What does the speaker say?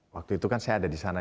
waktu itu kan saya ada di sana